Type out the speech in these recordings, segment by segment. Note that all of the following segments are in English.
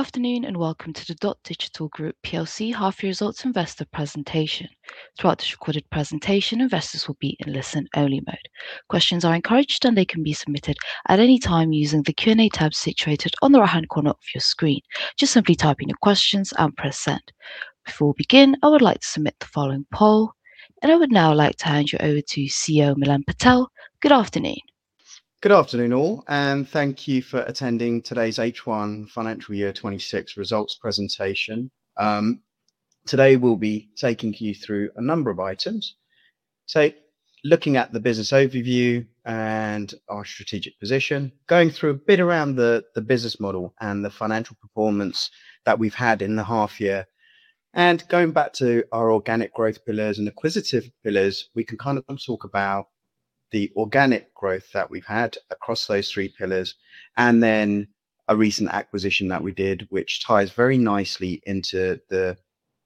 Afternoon, and welcome to the Dotdigital Group Plc Half-Year Results Investor Presentation. Throughout this recorded presentation, investors will be in listen-only mode. Questions are encouraged, and they can be submitted at any time using the Q&A tab situated on the right-hand corner of your screen. Just simply type in your questions and press send. Before we begin, I would like to submit the following poll, and I would now like to hand you over to CEO Milan Patel. Good afternoon. Good afternoon all, and thank you for attending today's H1 financial year 2026 results presentation. Today we'll be taking you through a number of items. Looking at the business overview and our strategic position, going through a bit around the business model and the financial performance that we've had in the half year. Going back to our organic growth pillars and acquisitive pillars, we can kind of talk about the organic growth that we've had across those three pillars, and then a recent acquisition that we did, which ties very nicely into the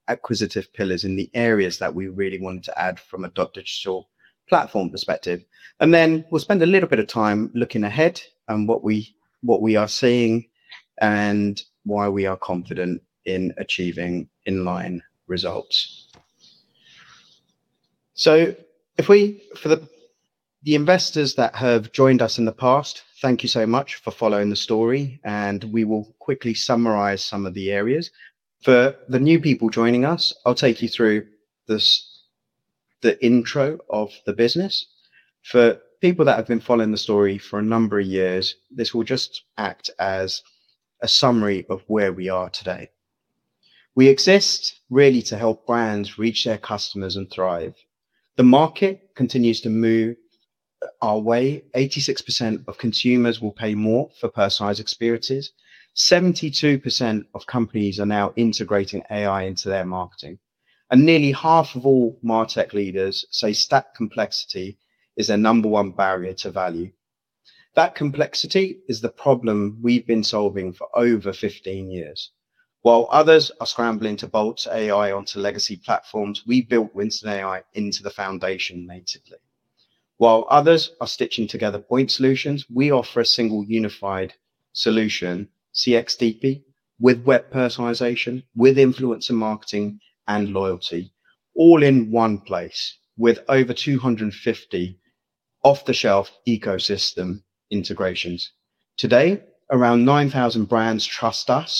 acquisitive pillars in the areas that we really wanted to add from a Dotdigital platform perspective. We'll spend a little bit of time looking ahead and what we are seeing and why we are confident in achieving in-line results. For the investors that have joined us in the past, thank you so much for following the story, and we will quickly summarize some of the areas. For the new people joining us, I'll take you through this, the intro of the business. For people that have been following the story for a number of years, this will just act as a summary of where we are today. We exist really to help brands reach their customers and thrive. The market continues to move our way. 86% of consumers will pay more for personalized experiences. 72% of companies are now integrating AI into their marketing. Nearly half of all martech leaders say stack complexity is their number one barrier to value. That complexity is the problem we've been solving for over 15 years. While others are scrambling to bolt AI onto legacy platforms, we built WinstonAI into the foundation natively. While others are stitching together point solutions, we offer a single unified solution, CXDP, with web personalization, with influencer marketing and loyalty, all in one place, with over 250 off-the-shelf ecosystem integrations. Today, around 9,000 brands trust us.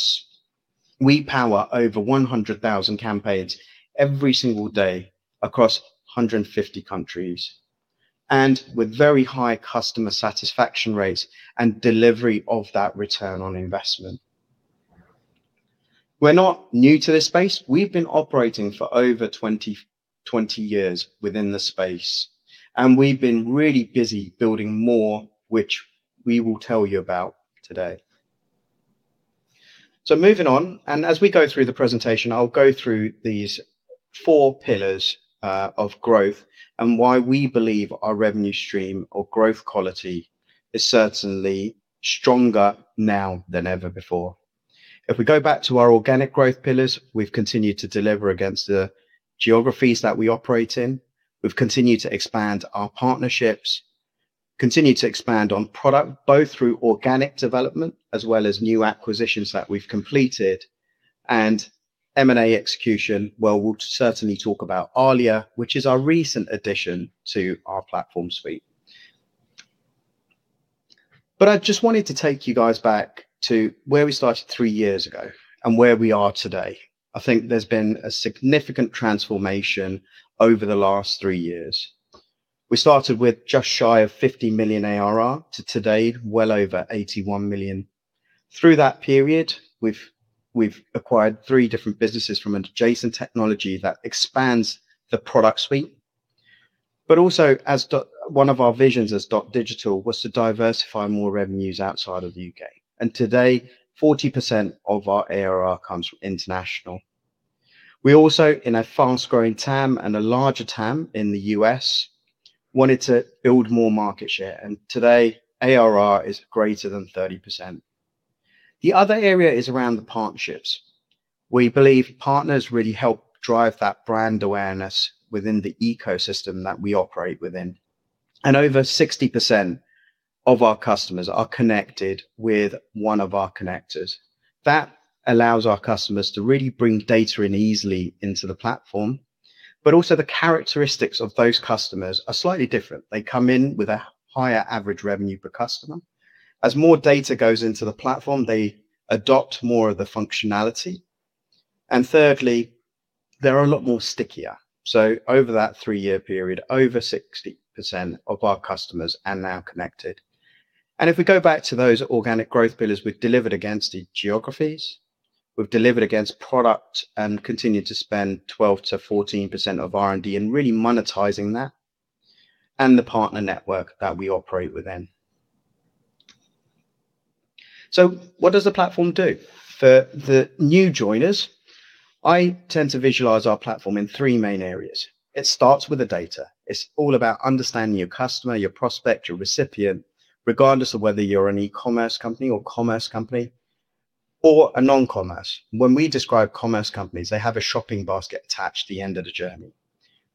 We power over 100,000 campaigns every single day across 150 countries, and with very high customer satisfaction rates and delivery of that return on investment. We're not new to this space. We've been operating for over 20 years within the space, and we've been really busy building more, which we will tell you about today. Moving on, and as we go through the presentation, I'll go through these four pillars of growth and why we believe our revenue stream or growth quality is certainly stronger now than ever before. If we go back to our organic growth pillars, we've continued to deliver against the geographies that we operate in. We've continued to expand our partnerships, continue to expand on product, both through organic development as well as new acquisitions that we've completed, and M&A execution, where we'll certainly talk about Alia, which is our recent addition to our platform suite. I just wanted to take you guys back to where we started three years ago and where we are today. I think there's been a significant transformation over the last three years. We started with just shy of 50 million ARR to today, well over 81 million. Through that period, we've acquired three different businesses from an adjacent technology that expands the product suite. Also as one of our visions as Dotdigital was to diversify more revenues outside of U.K. Today, 40% of our ARR comes from International. We also, in a fast-growing TAM and a larger TAM in the U.S., wanted to build more market share, and today, ARR is greater than 30%. The other area is around the partnerships. We believe partners really help drive that brand awareness within the ecosystem that we operate within. Over 60% of our customers are connected with one of our connectors. That allows our customers to really bring data in easily into the platform, but also the characteristics of those customers are slightly different. They come in with a higher average revenue per customer. As more data goes into the platform, they adopt more of the functionality. Thirdly, they're a lot more stickier. Over that three-year period, over 60% of our customers are now connected. If we go back to those organic growth pillars, we've delivered against the geographies, we've delivered against product and continued to spend 12%-14% of R&D and really monetizing that and the partner network that we operate within. What does the platform do? For the new joiners, I tend to visualize our platform in three main areas. It starts with the data. It's all about understanding your customer, your prospect, your recipient, regardless of whether you're an e-commerce company or commerce company or a non-commerce. When we describe commerce companies, they have a shopping basket attached at the end of the journey.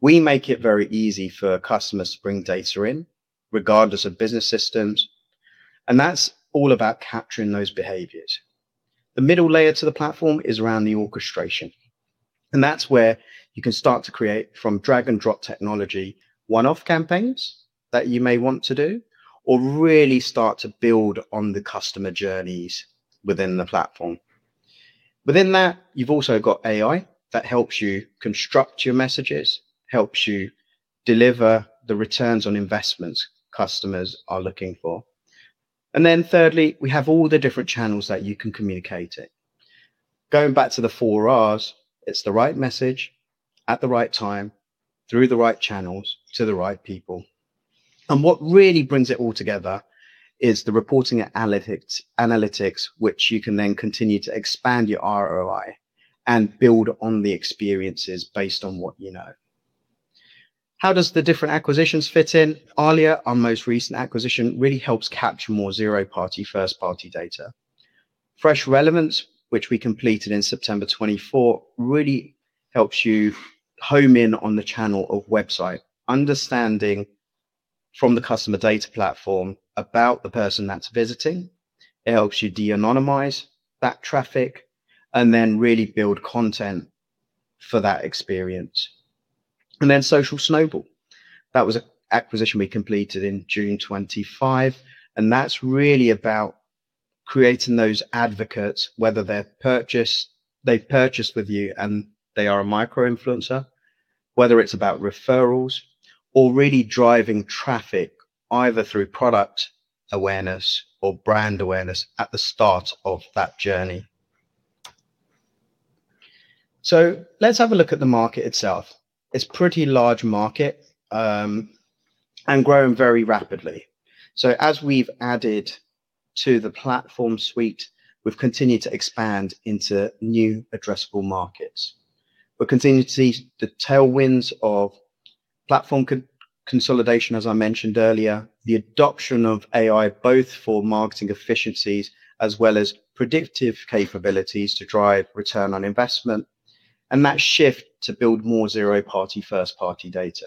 We make it very easy for customers to bring data in regardless of business systems, and that's all about capturing those behaviors. The middle layer to the platform is around the orchestration, and that's where you can start to create from drag and drop technology one-off campaigns that you may want to do or really start to build on the customer journeys within the platform. Within that, you've also got AI that helps you construct your messages, helps you deliver the returns on investments customers are looking for. Thirdly, we have all the different channels that you can communicate in. Going back to the four R's, it's the right message at the right time through the right channels to the right people. What really brings it all together is the reporting analytics, which you can then continue to expand your ROI and build on the experiences based on what you know. How does the different acquisitions fit in? Alia, our most recent acquisition, really helps capture more zero-party, first-party data. Fresh Relevance, which we completed in September 2024, really helps you home in on the channel of website, understanding from the customer data platform about the person that's visiting. It helps you de-anonymize that traffic and then really build content for that experience. Social Snowball, that was an acquisition we completed in June 2025, and that's really about creating those advocates, whether they've purchased with you and they are a micro-influencer, whether it's about referrals or really driving traffic either through product awareness or brand awareness at the start of that journey. Let's have a look at the market itself. It's pretty large market, and growing very rapidly. As we've added to the platform suite, we've continued to expand into new addressable markets. We're continuing to see the tailwinds of platform consolidation, as I mentioned earlier, the adoption of AI both for marketing efficiencies as well as predictive capabilities to drive return on investment, and that shift to build more zero-party, first-party data.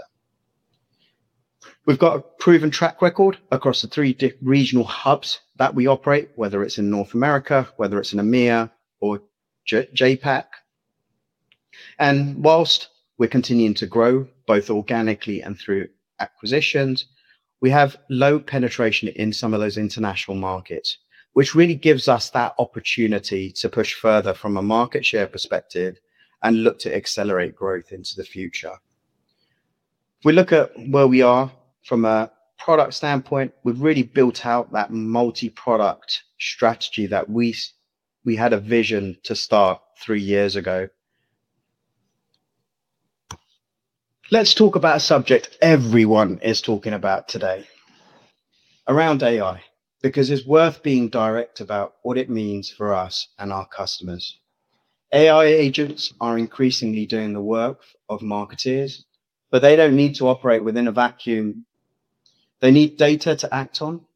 We've got a proven track record across the three regional hubs that we operate, whether it's in North America, whether it's in EMEA or JAPAC. While we're continuing to grow both organically and through acquisitions, we have low penetration in some of those international markets, which really gives us that opportunity to push further from a market share perspective and look to accelerate growth into the future. If we look at where we are from a product standpoint, we've really built out that multi-product strategy that we had a vision to start three years ago. Let's talk about a subject everyone is talking about today, around AI, because it's worth being direct about what it means for us and our customers. AI agents are increasingly doing the work of marketeers, but they don't need to operate within a vacuum. They need data to act on,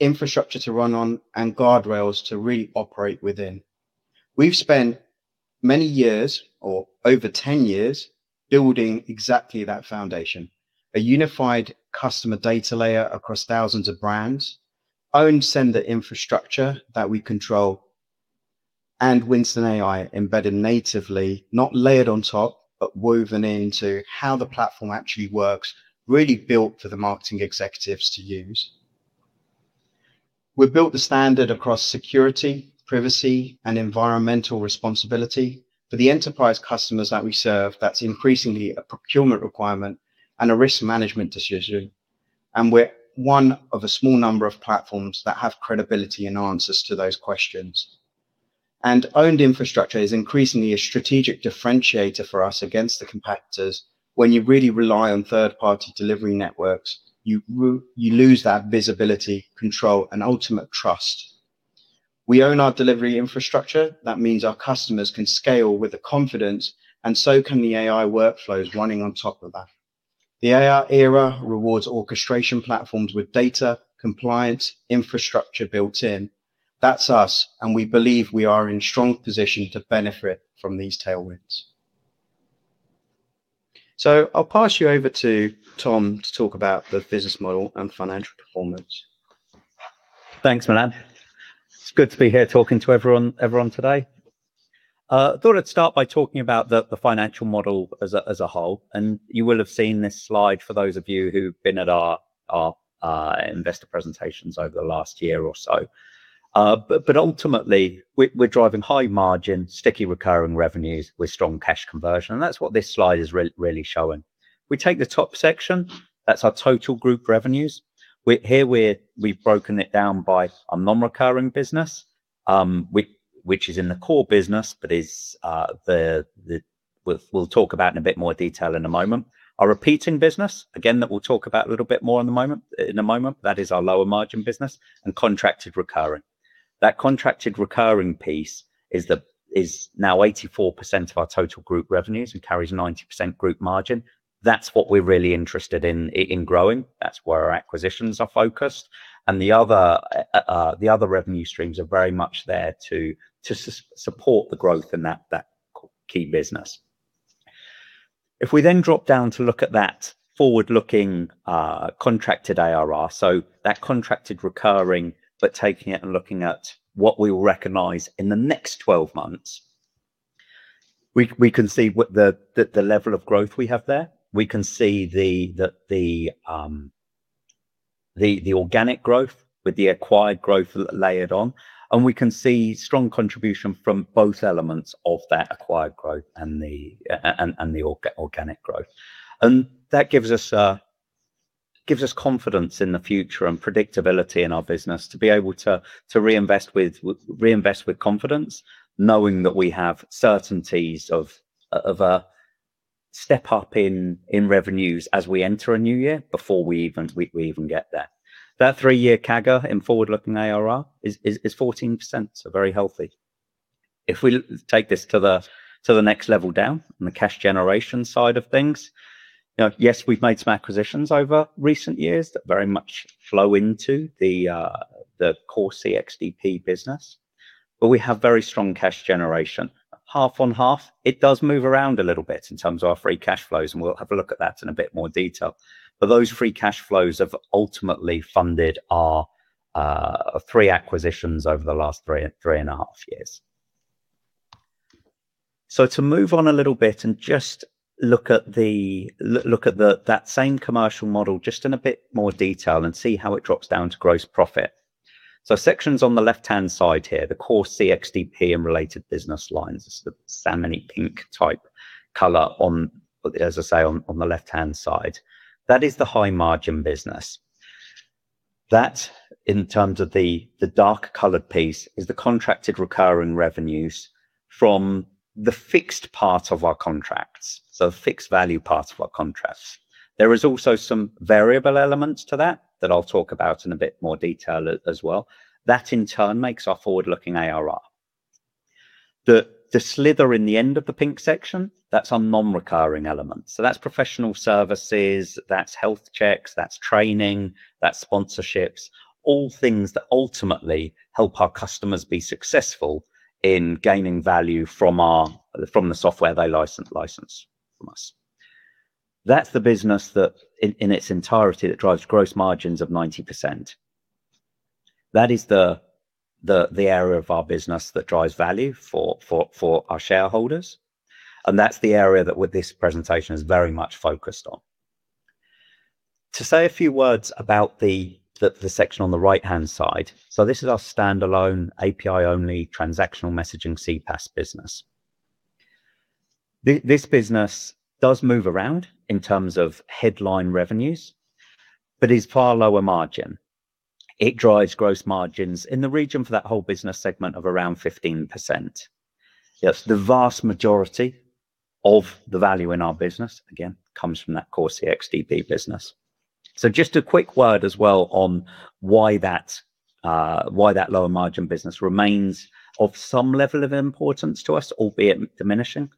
infrastructure to run on, and guardrails to really operate within. We've spent many years, or over 10 years, building exactly that foundation, a unified customer data layer across thousands of brands, owned sender infrastructure that we control, and WinstonAI embedded natively, not layered on top, but woven into how the platform actually works, really built for the marketing executives to use. We've built the standard across security, privacy, and environmental responsibility. For the enterprise customers that we serve, that's increasingly a procurement requirement and a risk management decision, and we're one of a small number of platforms that have credibility and answers to those questions. Owned infrastructure is increasingly a strategic differentiator for us against the competitors. When you really rely on third-party delivery networks, you lose that visibility, control, and ultimate trust. We own our delivery infrastructure. That means our customers can scale with the confidence, and so can the AI workflows running on top of that. The AI era rewards orchestration platforms with data, compliance, infrastructure built in. That's us, and we believe we are in strong position to benefit from these tailwinds. I'll pass you over to Tom to talk about the business model and financial performance. Thanks, Milan. It's good to be here talking to everyone today. Thought I'd start by talking about the financial model as a whole, and you will have seen this slide for those of you who've been at our investor presentations over the last year or so. Ultimately, we're driving high margin, sticky recurring revenues with strong cash conversion, and that's what this slide is really showing. We take the top section, that's our total Group revenues. We've broken it down by our non-recurring business, which is in the core business, we'll talk about in a bit more detail in a moment. Our recurring business, again, that we'll talk about a little bit more in a moment. That is our lower margin business and contracted recurring. That contracted recurring piece is now 84% of our total Group revenues and carries 90% Group margin. That's what we're really interested in growing. That's where our acquisitions are focused. The other revenue streams are very much there to support the growth in that key business. If we then drop down to look at that forward-looking contracted ARR, so that contracted recurring, but taking it and looking at what we will recognize in the next 12 months, we can see what the level of growth we have there. We can see the organic growth with the acquired growth layered on, and we can see strong contribution from both elements of that acquired growth and the organic growth. That gives us confidence in the future and predictability in our business to be able to reinvest with confidence knowing that we have certainties of a step-up in revenues as we enter a new year before we even get there. That three-year CAGR in forward-looking ARR is 14%, so very healthy. If we take this to the next level down on the cash generation side of things, you know, yes, we've made some acquisitions over recent years that very much flow into the core CXDP business. We have very strong cash generation, half-on-half. It does move around a little bit in terms of our free cash flows, and we'll have a look at that in a bit more detail. Those free cash flows have ultimately funded our three acquisitions over the last 3.5 years. To move on a little bit and just look at that same commercial model just in a bit more detail and see how it drops down to gross profit. Sections on the left-hand side here, the core CXDP and related business lines, it's the salmony pink type color on, as I say, on the left-hand side. That is the high margin business. That, in terms of the dark-colored piece, is the contracted recurring revenues from the fixed part of our contracts, so fixed value part of our contracts. There is also some variable elements to that that I'll talk about in a bit more detail as well. That in turn makes our forward-looking ARR. The sliver in the end of the pink section, that's our non-recurring elements. So that's professional services, that's health checks, that's training, that's sponsorships, all things that ultimately help our customers be successful in gaining value from the software they license from us. That's the business that in its entirety that drives gross margins of 90%. That is the area of our business that drives value for our shareholders, and that's the area that with this presentation is very much focused on. To say a few words about the section on the right-hand side. So this is our standalone API-only transactional messaging CPaaS business. This business does move around in terms of headline revenues but is far lower margin. It drives gross margins in the region for that whole Business segment of around 15%. Yes, the vast majority of the value in our business, again, comes from that core CXDP business. Just a quick word as well on why that lower-margin business remains of some level of importance to us, albeit diminishing,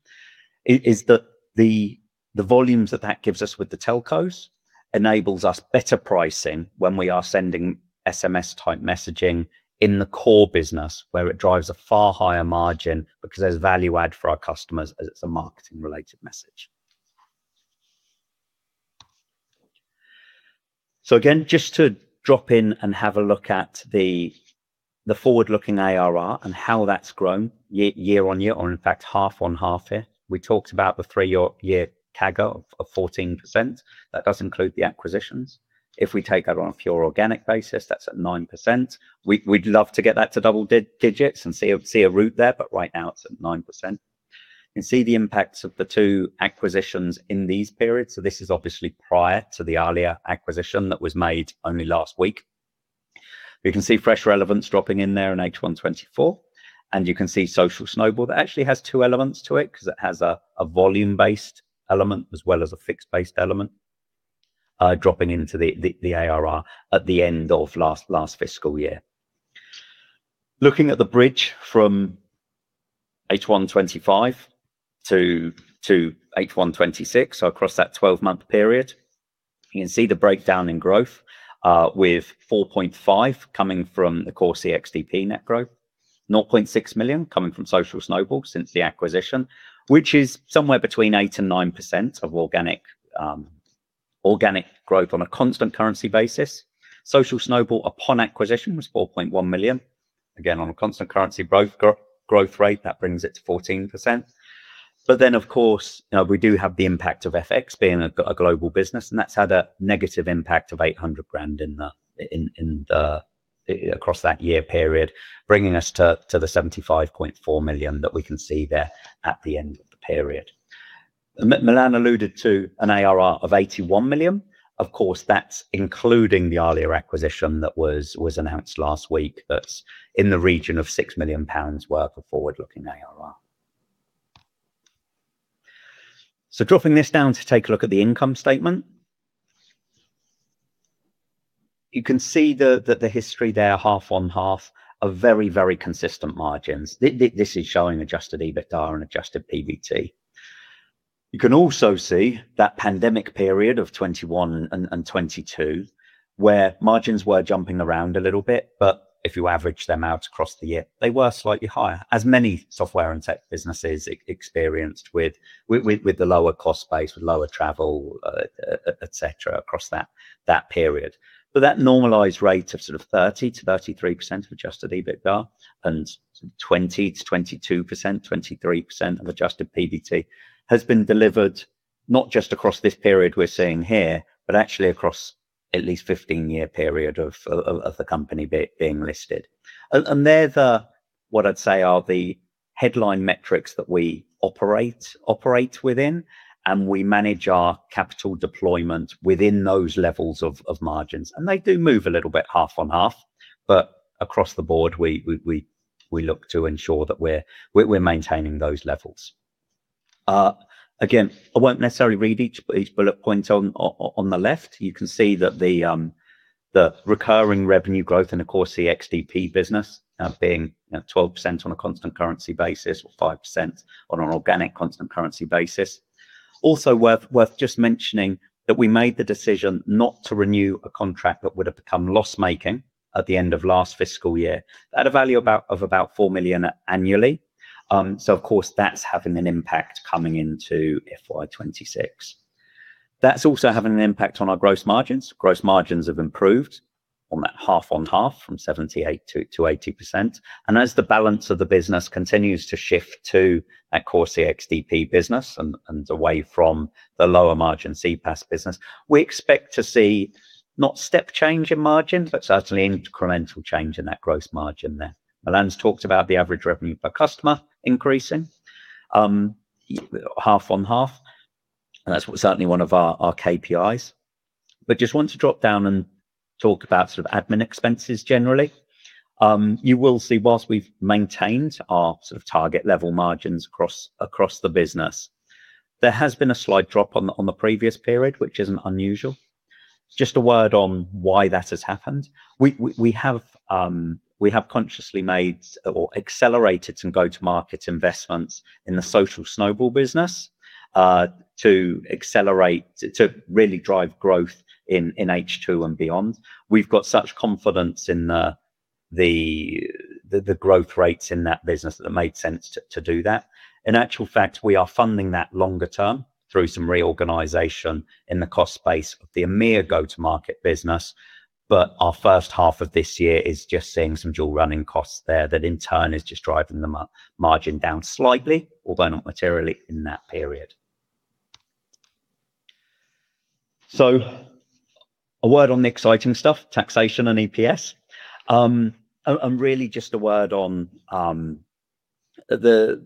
is that the volumes that that gives us with the telcos enables us better pricing when we are sending SMS type messaging in the core business where it drives a far higher margin because there's value add for our customers as it's a marketing related message. Just to drop in and have a look at the forward-looking ARR and how that's grown year-over-year or in fact half-on-half here. We talked about the three-year CAGR of 14%. That does include the acquisitions. If we take that on a pure organic basis, that's at 9%. We'd love to get that to double digits and see a route there, but right now it's at 9%. You can see the impacts of the two acquisitions in these periods. This is obviously prior to the Alia acquisition that was made only last week. You can see Fresh Relevance dropping in there in H1 2024, and you can see Social Snowball. That actually has two elements to it because it has a volume-based element as well as a fixed-based element, dropping into the ARR at the end of last fiscal year. Looking at the bridge from H1 2025 to H1 2026, so across that 12-month period, you can see the breakdown in growth, with 4.5 million coming from the core CXDP net growth, 0.6 million coming from Social Snowball since the acquisition, which is somewhere between 8%-9% of organic growth on a constant currency basis. Social Snowball upon acquisition was 4.1 million. Again, on a constant currency growth rate, that brings it to 14%. Of course, we do have the impact of FX being a global business, and that's had a negative impact of 800,000 across that year period, bringing us to the 75.4 million that we can see there at the end of the period. Milan alluded to an ARR of 81 million. Of course, that's including the Alia acquisition that was announced last week that's in the region of 6 million pounds worth of forward-looking ARR. Dropping this down to take a look at the income statement. You can see the history there half-on-half of very consistent margins. This is showing adjusted EBITDA and adjusted PBT. You can also see that pandemic period of 2021 and 2022 where margins were jumping around a little bit, but if you average them out across the year, they were slightly higher as many software and tech businesses experienced with the lower cost base, with lower travel, etc across that period. That normalized rate of sort of 30%-33% of adjusted EBITDA and 20%-22%, 23% of adjusted PBT has been delivered not just across this period we're seeing here, but actually across at least 15-year period of the company being listed. They're the what I'd say are the headline metrics that we operate within, and we manage our capital deployment within those levels of margins. They do move a little bit half-on-half, but across the board, we look to ensure that we're maintaining those levels. Again, I won't necessarily read each bullet point on the left. You can see that the recurring revenue growth in the core CXDP business being you know 12% on a constant currency basis or 5% on an organic constant currency basis. Also worth just mentioning that we made the decision not to renew a contract that would have become loss-making at the end of last fiscal year at a value of about 4 million annually. Of course that's having an impact coming into FY 2026. That's also having an impact on our gross margins. Gross margins have improved on that half-on-half from 78%-80%. As the balance of the business continues to shift to that core CXDP business and away from the lower margin CPaaS business, we expect to see not step change in margin, but certainly incremental change in that gross margin there. Milan's talked about the average revenue per customer increasing, half-on-half, and that's certainly one of our KPIs. Just want to drop down and talk about sort of admin expenses generally. You will see while we've maintained our sort of target level margins across the business, there has been a slight drop on the previous period, which isn't unusual. Just a word on why that has happened. We have consciously made or accelerated some go-to-market investments in the Social Snowball business, to really drive growth in H2 and beyond. We've got such confidence in the growth rates in that business that it made sense to do that. In actual fact, we are funding that longer term through some reorganization in the cost base of the EMEA go-to-market business, but our first half of this year is just seeing some dual running costs there that in turn is just driving the margin down slightly, although not materially in that period. A word on the exciting stuff, taxation and EPS. Really just a word on the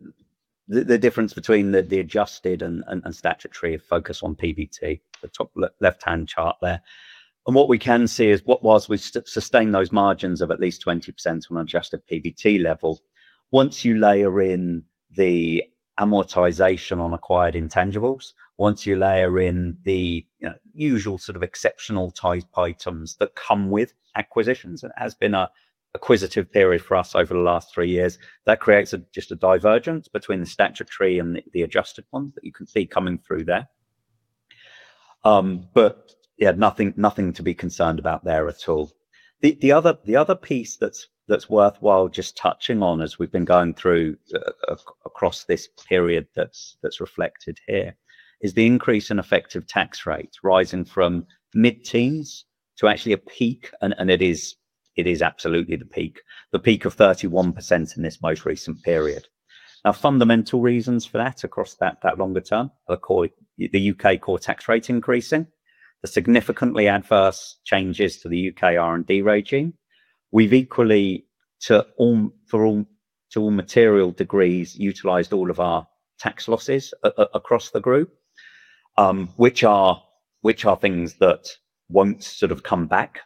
difference between the adjusted and statutory focus on PBT, the top left-hand chart there. What we can see is, while we sustain those margins of at least 20% on adjusted PBT level, once you layer in the amortization on acquired intangibles, once you layer in the, you know, usual sort of exceptional type items that come with acquisitions, and it has been an acquisitive period for us over the last three years, that creates just a divergence between the statutory and the adjusted ones that you can see coming through there. Yeah, nothing to be concerned about there at all. The other piece that's worthwhile just touching on as we've been going through across this period that's reflected here is the increase in effective tax rates rising from mid-teens to actually a peak. It is absolutely peak, a peak of 31% in this most recent period. Fundamental reasons for that across that longer term, the U.K. core tax rate increasing, the significantly adverse changes to the U.K. R&D rate regime. We have equally, to all material degrees, utilized all of our tax losses across the Group, which are things that won't sort of come back.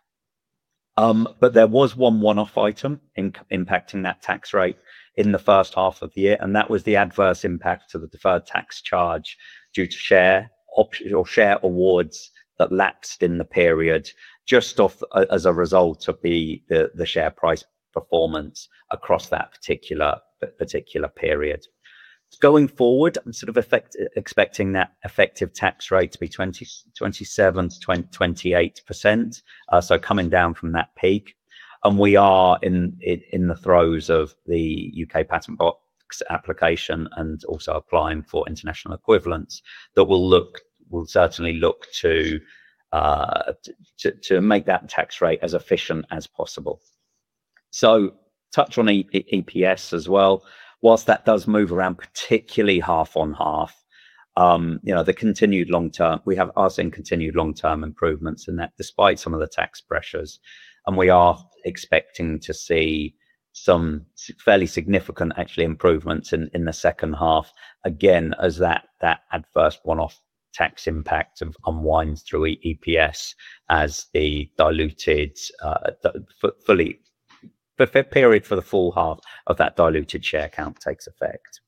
There was one-off item impacting that tax rate in the first half of the year, and that was the adverse impact to the deferred tax charge due to share awards that lapsed in the period just as a result of the share price performance across that particular period. Going forward, I'm expecting that effective tax rate to be 27%-28%, so coming down from that peak. We are in the throes of the U.K. Patent Box application and also applying for international equivalents. We'll certainly look to make that tax rate as efficient as possible. Touch on EPS as well. Whilst that does move around, particularly half-on-half, the continued long-term we are seeing continued long-term improvements in that despite some of the tax pressures. We are expecting to see some fairly significant actually improvements in the second half again as that adverse one-off tax impact unwinds through EPS as the fully diluted per period for the full half of that diluted share count takes effect.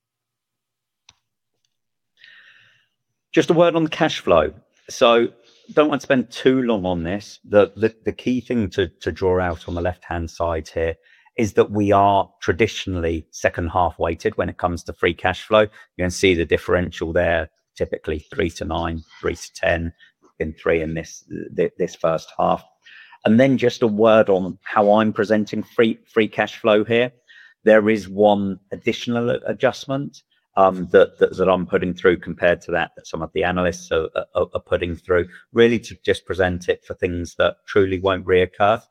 Just a word on the cash flow. Don't want to spend too long on this. The key thing to draw out on the left-hand side here is that we are traditionally second-half weighted when it comes to free cash flow. You can see the differential there, typically 3 to 9, 3 to 10 and 3 in this first half. Just a word on how I'm presenting free cash flow here. There is one additional adjustment that I'm putting through compared to what some of the analysts are putting through really to just present it for things that truly won't reoccur.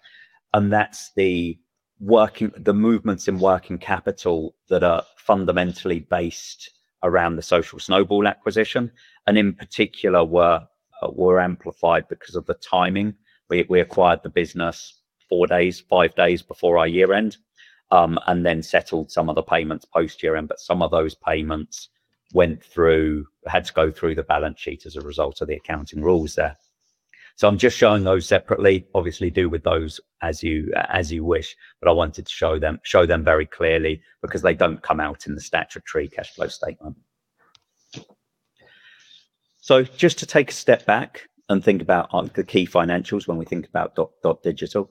That's the movements in working capital that are fundamentally based around the Social Snowball acquisition, and in particular were amplified because of the timing. We acquired the business four days, five days before our year-end, and then settled some of the payments post year-end. Some of those payments had to go through the balance sheet as a result of the accounting rules there. I'm just showing those separately, obviously do with those as you wish. I wanted to show them very clearly because they don't come out in the statutory cash flow statement. Just take a step back and think about the key financials when we think about Dotdigital.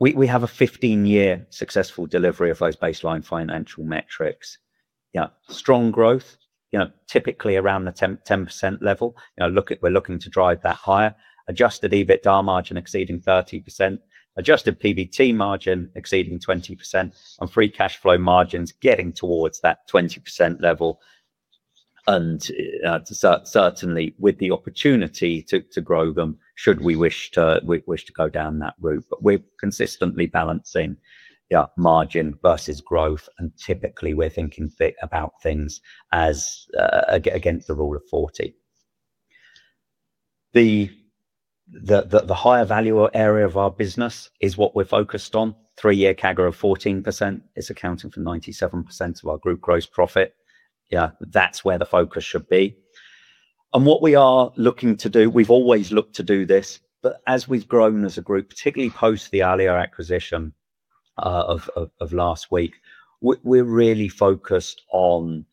We have a 15-year successful delivery of those baseline financial metrics. Yeah, strong growth, you know, typically around the 10% level. You know, we're looking to drive that higher. Adjusted EBITDA margin exceeding 30%, adjusted PBT margin exceeding 20%, and free cash flow margins getting towards that 20% level. Certainly with the opportunity to grow them should we wish to go down that route. We're consistently balancing margin versus growth, and typically we're thinking a bit about things as against the Rule of 40. The higher value area of our business is what we're focused on. Three-year CAGR of 14% is accounting for 97% of our Group gross profit. That's where the focus should be. What we are looking to do, we've always looked to do this, but as we've grown as a Group, particularly post the Alia acquisition of last week, we're really focused on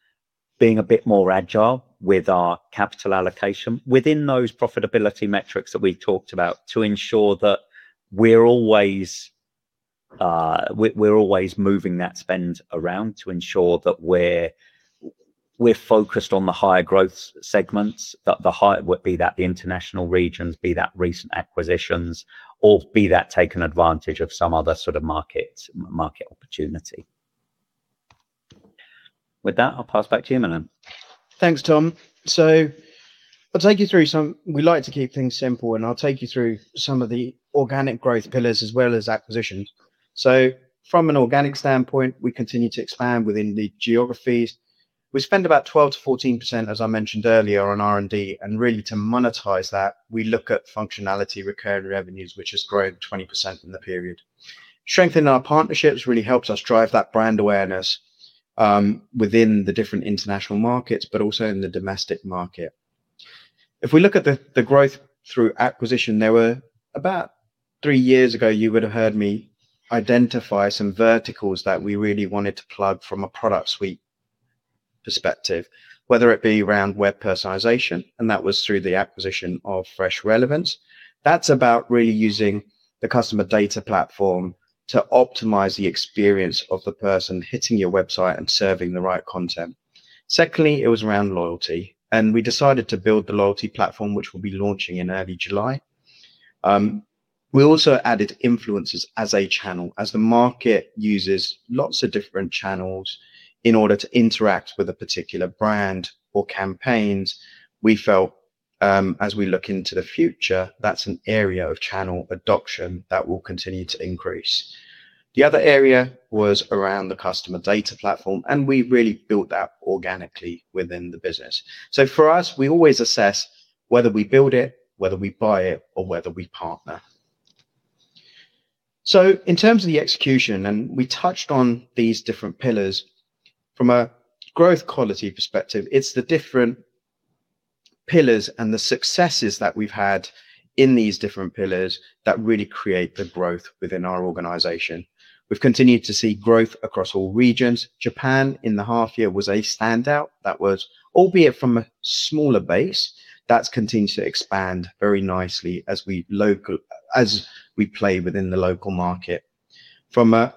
being a bit more agile with our capital allocation within those profitability metrics that we talked about to ensure that we're always, we're always moving that spend around to ensure that we're focused on the higher growth segments, that the higher would be that the International regions, be that recent acquisitions, or be that taking advantage of some other sort of market opportunity. With that, I'll pass back to you, Milan. Thanks, Tom. We like to keep things simple, and I'll take you through some of the organic growth pillars as well as acquisitions. From an organic standpoint, we continue to expand within the geographies. We spend about 12%-14%, as I mentioned earlier, on R&D. Really to monetize that, we look at functionality recurring revenues, which has grown 20% in the period. Strengthening our partnerships really helps us drive that brand awareness within the different international markets but also in the domestic market. If we look at the growth through acquisition, there were about three years ago, you would have heard me identify some verticals that we really wanted to plug from a product suite perspective, whether it be around web personalization, and that was through the acquisition of Fresh Relevance. That's about really using the customer data platform to optimize the experience of the person hitting your website and serving the right content. Secondly, it was around loyalty, and we decided to build the loyalty platform, which we'll be launching in early July. We also added influencers as a channel. As the market uses lots of different channels in order to interact with a particular brand or campaigns, we felt, as we look into the future, that's an area of channel adoption that will continue to increase. The other area was around the customer data platform, and we really built that organically within the business. For us, we always assess whether we build it, whether we buy it, or whether we partner. In terms of the execution, and we touched on these different pillars from a growth quality perspective, it's the different pillars and the successes that we've had in these different pillars that really create the growth within our organization. We've continued to see growth across all regions. Japan in the half year was a standout. That was albeit from a smaller base, that's continued to expand very nicely as we play within the local market. From a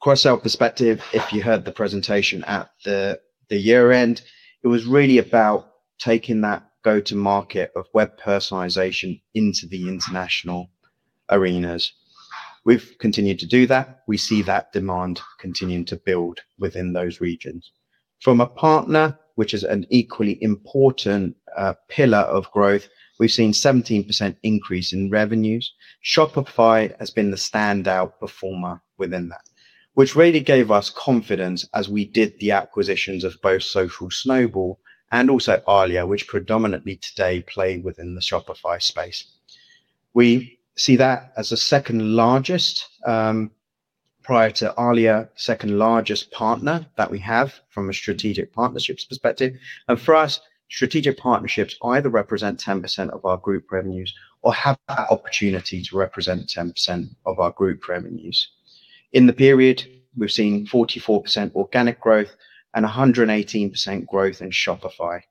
cross-sell perspective, if you heard the presentation at the year-end, it was really about taking that go-to-market of web personalization into the international arenas. We've continued to do that. We see that demand continuing to build within those regions. From a partner, which is an equally important pillar of growth, we've seen 17% increase in revenues. Shopify has been the standout performer within that, which really gave us confidence as we did the acquisitions of both Social Snowball and also Alia, which predominantly today play within the Shopify space. We see that as the second largest, prior to Alia, second-largest partner that we have from a strategic partnerships perspective. For us, strategic partnerships either represent 10% of our Group revenues or have that opportunity to represent 10% of our Group revenues. In the period, we've seen 44% organic growth and 118% growth in Shopify.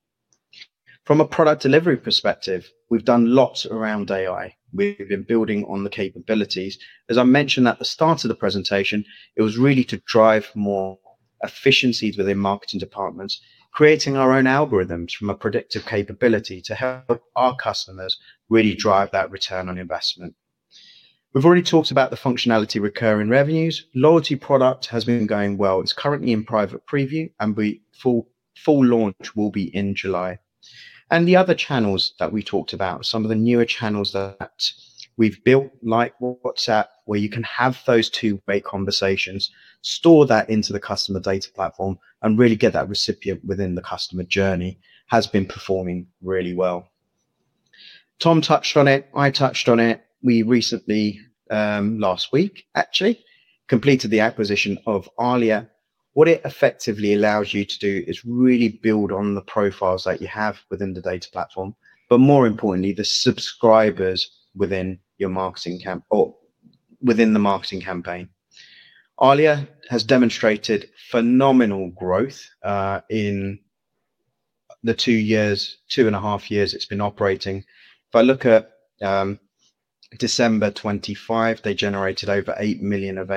From a product delivery perspective, we've done lots around AI. We've been building on the capabilities. As I mentioned at the start of the presentation, it was really to drive more efficiencies within marketing departments, creating our own algorithms from a predictive capability to help our customers really drive that return on investment. We've already talked about the functionality recurring revenues. Loyalty product has been going well. It's currently in private preview, and full launch will be in July. The other channels that we talked about, some of the newer channels that we've built, like WhatsApp, where you can have those two-way conversations, store that into the customer data platform and really get that recipient within the customer journey, has been performing really well. Tom touched on it, I touched on it. We recently, last week actually, completed the acquisition of Alia. What it effectively allows you to do is really build on the profiles that you have within the data platform, but more importantly, the subscribers within your marketing campaign. Alia has demonstrated phenomenal growth in the two years, two and a half years it's been operating. If I look at December 2025, they generated over $8 million of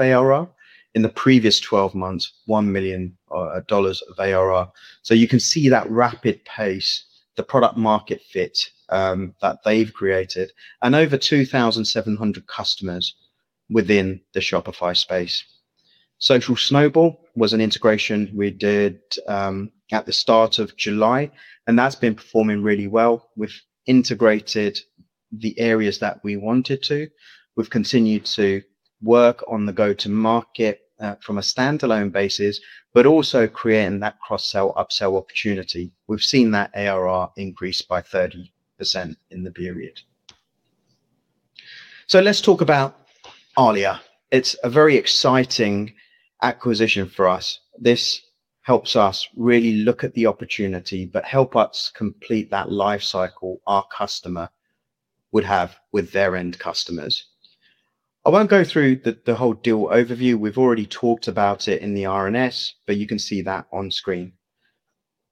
ARR. In the previous 12 months, $1 million of ARR. You can see that rapid pace, the product market fit that they've created, and over 2,700 customers within the Shopify space. Social Snowball was an integration we did at the start of July, and that's been performing really well. We've integrated the areas that we wanted to. We've continued to work on the go-to-market from a standalone basis, but also creating that cross-sell, upsell opportunity. We've seen that ARR increase by 30% in the period. Let's talk about Alia. It's a very exciting acquisition for us. This helps us really look at the opportunity, but help us complete that life cycle our customer would have with their end customers. I won't go through the whole deal overview. We've already talked about it in the RNS, but you can see that on screen.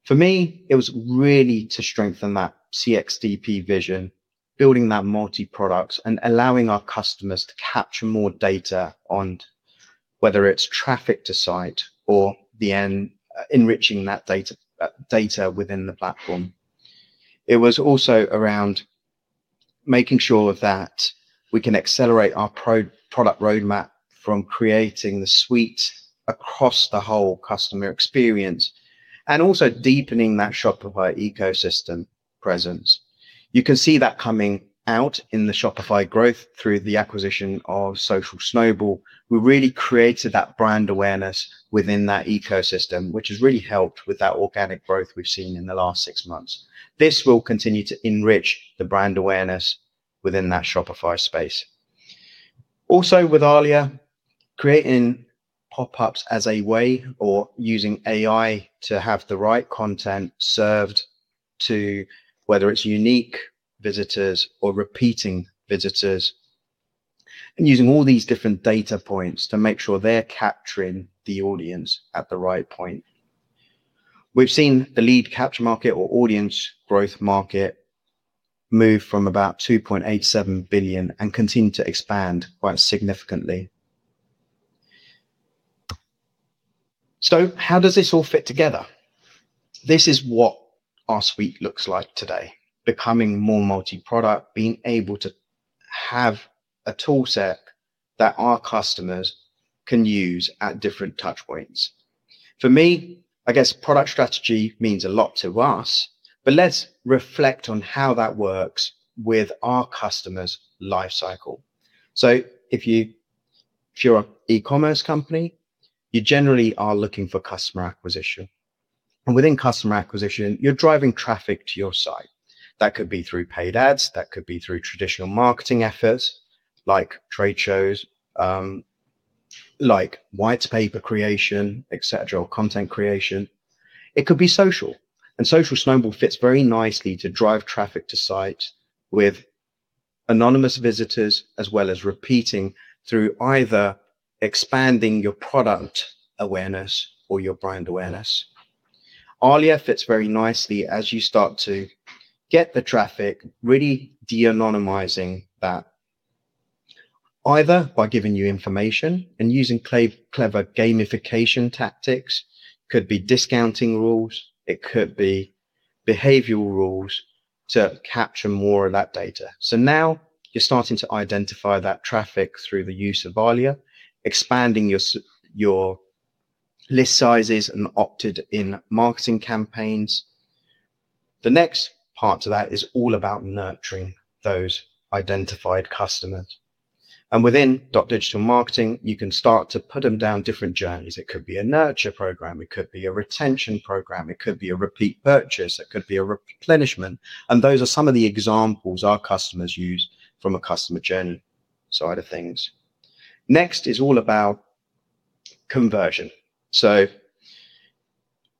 For me, it was really to strengthen that CXDP vision, building that multi-product, and allowing our customers to capture more data on whether it's traffic to site or the end, enriching that data within the platform. It was also around making sure that we can accelerate our product roadmap for creating the suite across the whole customer experience, and also deepening that Shopify ecosystem presence. You can see that coming out in the Shopify growth through the acquisition of Social Snowball. We really created that brand awareness within that ecosystem, which has really helped with that organic growth we've seen in the last six months. This will continue to enrich the brand awareness within that Shopify space. Also, with Alia, creating pop-ups as a way or using AI to have the right content served to, whether it's unique visitors or repeating visitors, and using all these different data points to make sure they're capturing the audience at the right point. We've seen the lead capture market or audience growth market move from about 2.87 billion and continue to expand quite significantly. How does this all fit together? This is what our suite looks like today. Becoming more multi-product, being able to have a tool set that our customers can use at different touchpoints. For me, I guess product strategy means a lot to us, but let's reflect on how that works with our customer's life cycle. If you're an e-commerce company, you generally are looking for customer acquisition. Within customer acquisition, you're driving traffic to your site. That could be through paid ads, that could be through traditional marketing efforts like trade shows, like white paper creation, etc, or content creation. It could be social, and Social Snowball fits very nicely to drive traffic to site with anonymous visitors, as well as repeating through either expanding your product awareness or your brand awareness. Alia fits very nicely as you start to get the traffic, really de-anonymizing that, either by giving you information and using clever gamification tactics. Could be discounting rules, it could be behavioral rules to capture more of that data. Now you're starting to identify that traffic through the use of Alia, expanding your list sizes and opted-in marketing campaigns. The next part to that is all about nurturing those identified customers. Within Dotdigital marketing, you can start to put them down different journeys. It could be a nurture program, it could be a retention program, it could be a repeat purchase, it could be a replenishment, and those are some of the examples our customers use from a customer journey side of things. Next is all about conversion.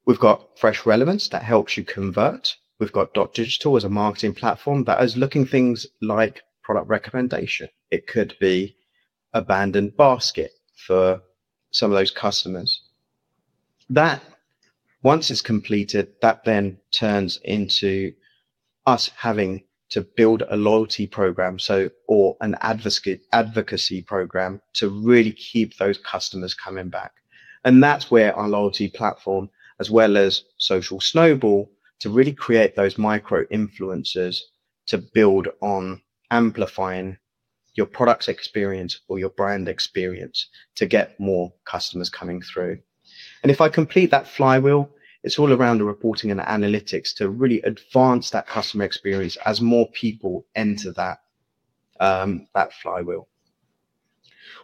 We've got Fresh Relevance that helps you convert. We've got Dotdigital as a marketing platform that is looking at things like product recommendation. It could be abandoned basket for some of those customers. That, once it's completed, that then turns into us having to build a loyalty program, so or an advocacy program to really keep those customers coming back. That's where our loyalty platform as well as Social Snowball to really create those micro-influencers to build on amplifying your product's experience or your brand experience to get more customers coming through. If I complete that flywheel, it's all around the reporting and analytics to really advance that customer experience as more people enter that flywheel.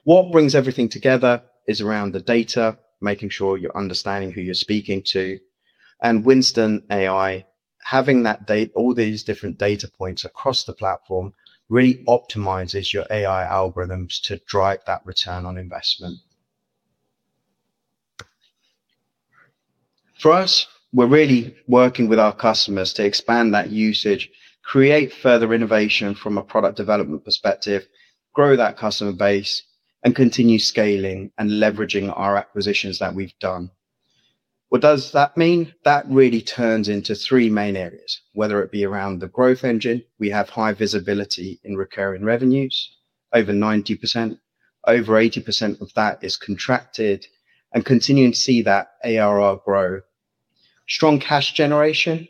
What brings everything together is around the data, making sure you're understanding who you're speaking to, and WinstonAI, having that all these different data points across the platform really optimizes your AI algorithms to drive that return on investment. For us, we're really working with our customers to expand that usage, create further innovation from a product development perspective, grow that customer base, and continue scaling and leveraging our acquisitions that we've done. What does that mean? That really turns into three main areas, whether it be around the growth engine. We have high visibility in recurring revenues, over 90%. Over 80% of that is contracted and continuing to see that ARR grow. Strong cash generation,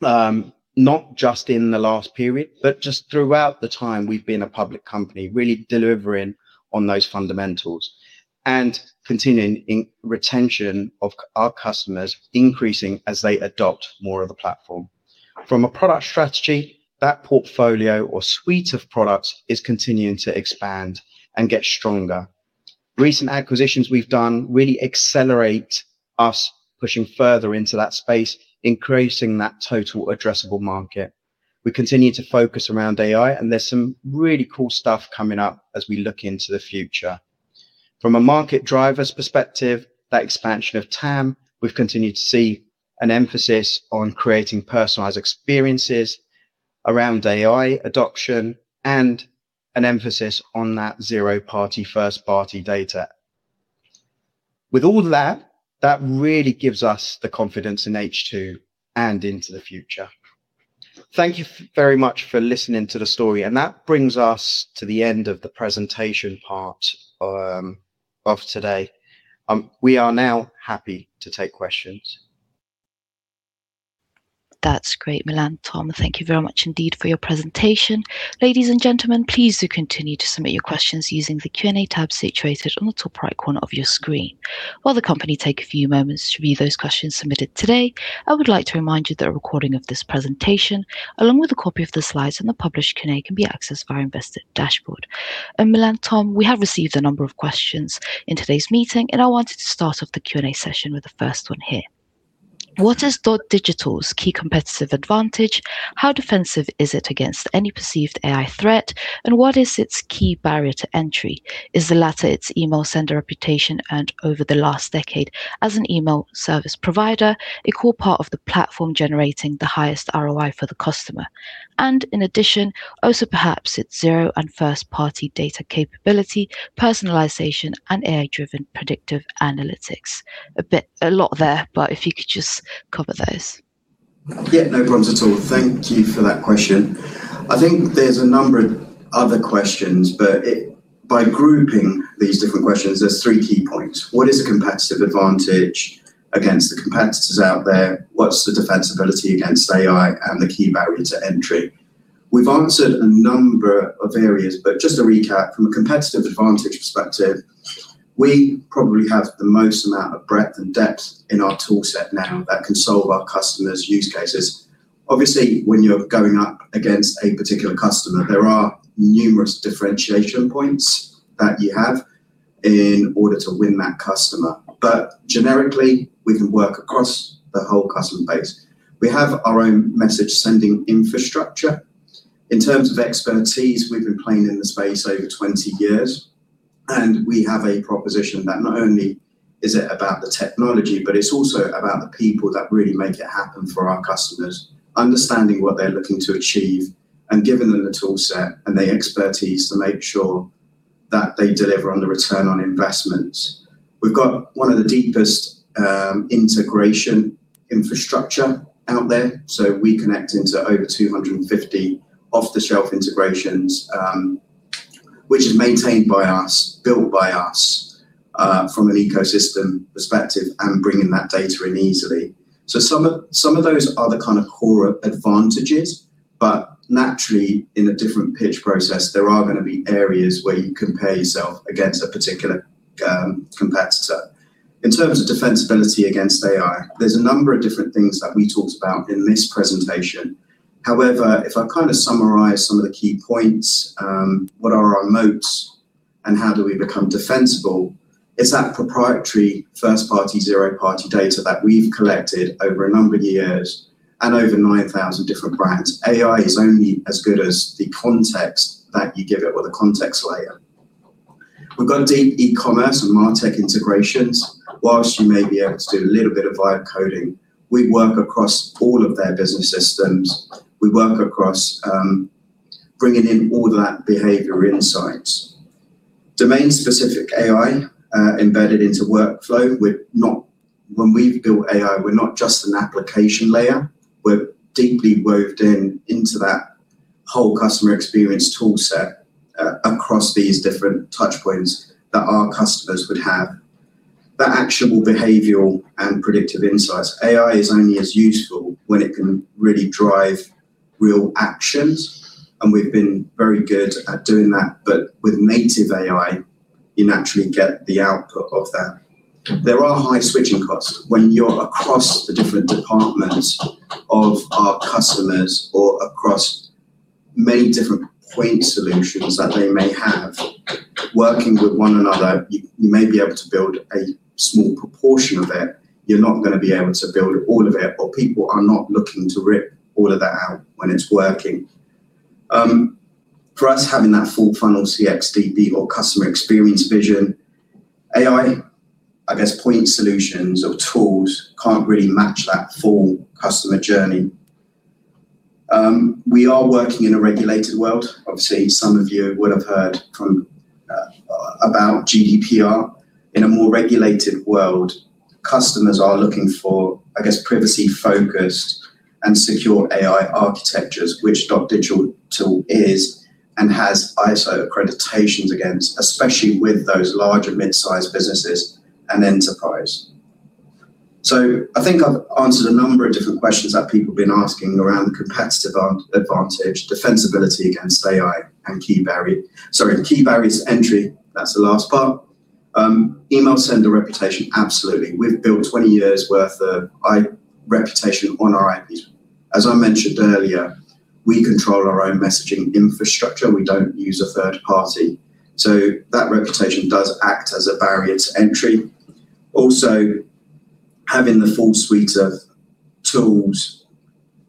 not just in the last period, but just throughout the time we've been a public company, really delivering on those fundamentals and continuing in retention of our customers increasing as they adopt more of the platform. From a product strategy, that portfolio or suite of products is continuing to expand and get stronger. Recent acquisitions we've done really accelerate us pushing further into that space, increasing that total addressable market. We continue to focus around AI, and there's some really cool stuff coming up as we look into the future. From a market driver's perspective, that expansion of TAM, we've continued to see an emphasis on creating personalized experiences around AI adoption and an emphasis on that zero-party, first-party data. With all that really gives us the confidence in H2 and into the future. Thank you very much for listening to the story, and that brings us to the end of the presentation part of today. We are now happy to take questions. That's great, Milan, Tom, thank you very much indeed for your presentation. Ladies and gentlemen, please do continue to submit your questions using the Q&A tab situated on the top right corner of your screen. While the company take a few moments to read those questions submitted today, I would like to remind you that a recording of this presentation, along with a copy of the slides and the published Q&A, can be accessed via our Investor dashboard. Milan, Tom, we have received a number of questions in today's meeting, and I wanted to start off the Q&A session with the first one here. What is Dotdigital's key competitive advantage? How defensive is it against any perceived AI threat, and what is its key barrier to entry? Is the latter its email sender reputation and over the last decade as an email service provider, a core part of the platform generating the highest ROI for the customer? In addition, also perhaps its zero- and first-party data capability, personalization, and AI-driven predictive analytics. A lot there, but if you could just cover those. Yeah, no problems at all. Thank you for that question. I think there's a number of other questions, but by grouping these different questions, there's three key points. What is the competitive advantage against the competitors out there? What's the defensibility against AI and the key barrier to entry? We've answered a number of areas, but just to recap, from a competitive advantage perspective, we probably have the most amount of breadth and depth in our tool set now that can solve our customers' use cases. Obviously, when you're going up against a particular customer, there are numerous differentiation points that you have in order to win that customer. Generically, we can work across the whole customer base. We have our own message-sending infrastructure. In terms of expertise, we've been playing in the space over 20 years, and we have a proposition that not only is it about the technology, but it's also about the people that really make it happen for our customers, understanding what they're looking to achieve and giving them the tool set and the expertise to make sure that they deliver on the return on investment. We've got one of the deepest integration infrastructure out there, so we connect into over 250 off-the-shelf integrations, which is maintained by us, built by us, from an ecosystem perspective and bringing that data in easily. Some of those are the kind of core advantages, but naturally, in a different pitch process, there are gonna be areas where you compare yourself against a particular competitor. In terms of defensibility against AI, there's a number of different things that we talked about in this presentation. However, if I kind of summarize some of the key points, what are our moats and how do we become defensible, it's that proprietary first-party, zero-party data that we've collected over a number of years and over 9,000 different brands. AI is only as good as the context that you give it with a context layer. We've got deep e-commerce and martech integrations. While you may be able to do a little bit of via coding, we work across all of their business systems, we work across, bringing in all that behavior insights. Domain-specific AI embedded into workflow. We're not. When we've built AI, we're not just an application layer, we're deeply weaved in, into that whole customer experience tool set across these different touchpoints that our customers would have. That actionable behavioral and predictive insights. AI is only as useful when it can really drive real actions, and we've been very good at doing that. With native AI, you naturally get the output of that. There are high switching costs. When you're across the different departments of our customers or across many different point solutions that they may have, working with one another, you may be able to build a small proportion of it. You're not gonna be able to build all of it, or people are not looking to rip all of that out when it's working. For us, having that full-funnel CXDP or customer experience vision, AI, I guess, point solutions or tools can't really match that full customer journey. We are working in a regulated world. Obviously, some of you will have heard about GDPR. In a more regulated world, customers are looking for, I guess, privacy-focused and secure AI architectures, which Dotdigital is and has ISO accreditations against, especially with those large and mid-sized businesses and enterprise. I think I've answered a number of different questions that people have been asking around competitive advantage, defensibility against AI, and key barrier. Sorry, the key barriers to entry, that's the last part. Email sender reputation, absolutely. We've built 20 years worth of email reputation on our IP. As I mentioned earlier, we control our own messaging infrastructure. We don't use a third party, so that reputation does act as a barrier to entry. Also, having the full suite of tools,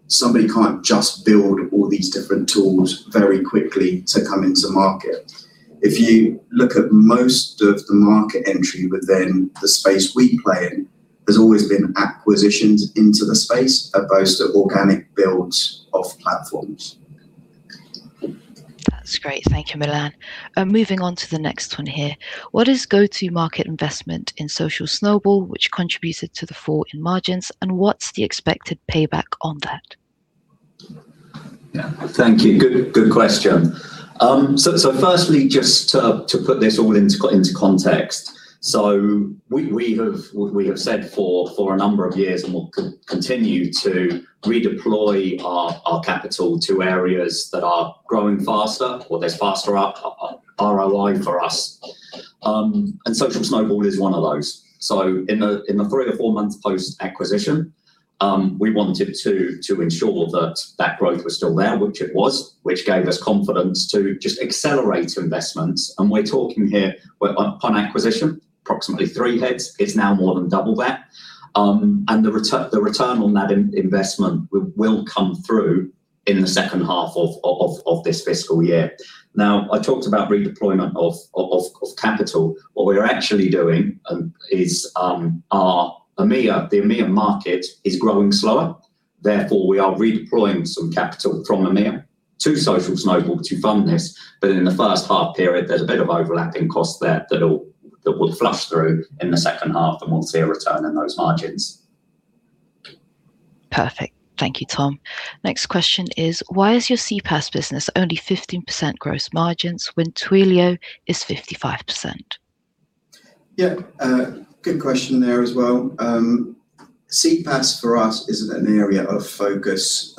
somebody can't just build all these different tools very quickly to come into market. If you look at most of the market entry within the space we play in, there's always been acquisitions into the space as opposed to organic builds of platforms. That's great. Thank you, Milan. Moving on to the next one here. What is go-to-market investment in Social Snowball, which contributed to the fall in margins, and what's the expected payback on that? Thank you. Good question. Firstly, just to put this all into context. We have said for a number of years, and we'll continue to redeploy our capital to areas that are growing faster or there's faster ROI for us. Social Snowball is one of those. In the three to four months post-acquisition, we wanted to ensure that that growth was still there, which it was, which gave us confidence to just accelerate investments. We're talking here when on acquisition, approximately three heads. It's now more than double that. The return on that investment will come through in the second half of this fiscal year. Now, I talked about redeployment of capital. What we're actually doing is our EMEA, the EMEA market is growing slower, therefore, we are redeploying some capital from EMEA to Social Snowball to fund this. In the first half period, there's a bit of overlapping costs there that will flush through in the second half, and we'll see a return on those margins. Perfect. Thank you, Tom. Next question is: Why is your CPaaS business only 15% gross margins when Twilio is 55%? Good question there as well. CPaaS for us is an area of focus.